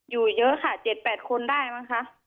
อยู่เยอะค่ะ๗๘คนได้มั้งคะ